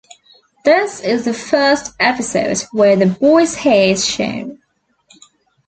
This is the first episode where the boy's hair is shown.